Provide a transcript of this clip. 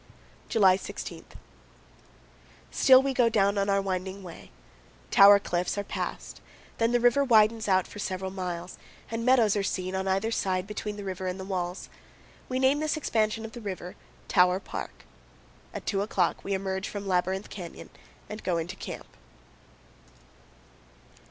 July 16. Still we go down on our winding way. Tower cliffs are passed; then the river widens out for several miles, and meadows are seen on either side between the river and the walls. We name this expansion of the river Tower Park. At two o'clock we emerge from Labyrinth Canyon and go into camp.